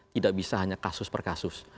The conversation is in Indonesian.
tidak bisa hanya kasus per kasus